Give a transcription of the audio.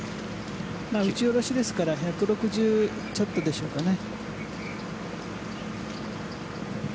打ち下ろしですから１６０ちょっとでしょうかね。